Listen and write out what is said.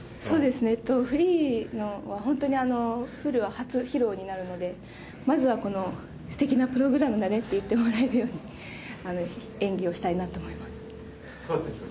フリーは本当にフルは初披露になるのでまずは、素敵なプログラムだねと言ってもらえるように演技をしたいなと思います。